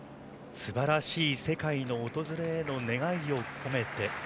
すばらしい世界の訪れへの願いを込めて。